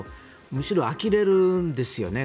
むしろあきれるんですよね